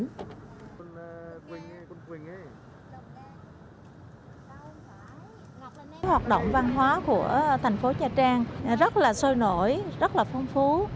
những hoạt động văn hóa của thành phố nha trang rất là sôi nổi rất là phong phú